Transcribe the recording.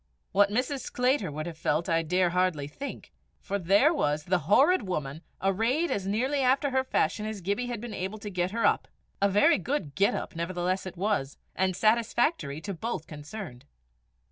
What Mrs. Sclater would have felt, I dare hardly think; for there was "the horrid woman" arrayed as nearly after her fashion as Gibbie had been able to get her up! A very good "get up" nevertheless it was, and satisfactory to both concerned.